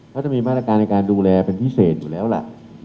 ก็จะมีบ้านอากาศในการดูแลเป็นพิเศษอยู่แล้วละ